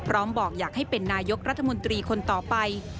บอกอยากให้เป็นนายกรัฐมนตรีคนต่อไป